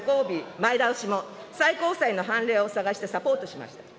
前倒しも最高裁の判例を探してサポートしました。